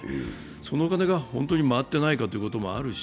そのお金が本当に回っていないかということもあるし